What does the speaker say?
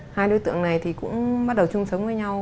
hai đối tượng này thì cũng bắt đầu chung sống với nhau